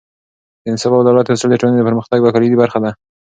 د انصاف او عدالت اصول د ټولنې پرمختګ یوه کلیدي برخه ده.